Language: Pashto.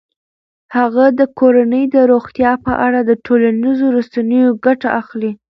هغه د کورنۍ د روغتیا په اړه د ټولنیزو رسنیو ګټه اخلي.